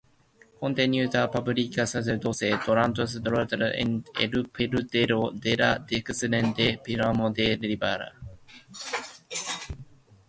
Continuaría publicándose durante todo el periodo de la Dictadura de Primo de Rivera.